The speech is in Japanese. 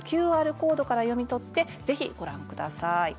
ＱＲコードから読み取ってぜひご覧ください。